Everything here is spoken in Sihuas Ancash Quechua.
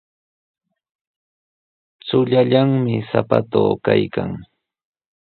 Chullallami sapatuu kaykan.